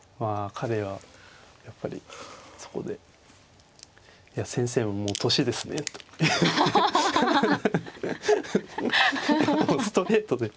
彼はやっぱりそこで「先生ももう年ですね」と。ストレートで。